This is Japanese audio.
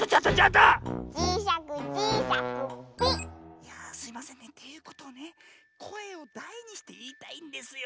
いやあすいませんねっていうことでこえをだいにしていいたいんですよ。